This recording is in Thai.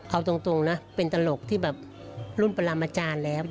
เอาตรงนะเป็นตลกที่แบบรุ่นปรามาจารย์แล้ว